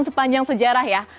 sepanjang sejarah ya